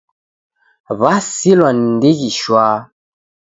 Wasilwa ni ndighi shwaa.